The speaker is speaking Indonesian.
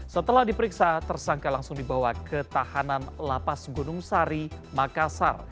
setelah diperiksa tersangka langsung dibawa ke tahanan lapas gunung sari makassar